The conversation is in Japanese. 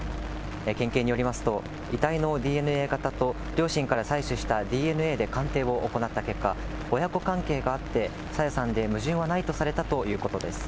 県警によりますと、遺体のＤＮＡ型と、両親から採取したＤＮＡで鑑定を行った結果、親子関係があって、朝芽さんで矛盾はないとされたということです。